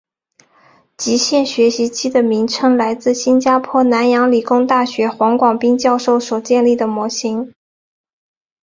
极限学习机的名称来自新加坡南洋理工大学黄广斌教授所建立的模型。